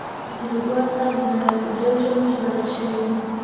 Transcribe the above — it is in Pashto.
د هوګو اثار د نړۍ په ډېرو ژبو ژباړل شوي دي.